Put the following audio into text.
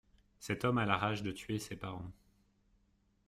Cet homme a la rage de tuer ses parens.